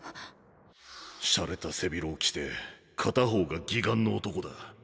しゃれた背広を着て片方が義眼の男だ。